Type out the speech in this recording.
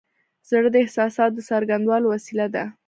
زړه د احساساتو د څرګندولو وسیله ده.